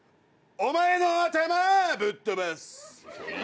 お前の頭ぶっ飛ばす！